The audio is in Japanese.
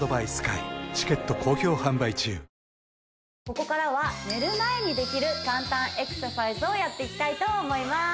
ここからは寝る前にできる簡単エクササイズをやっていきたいと思います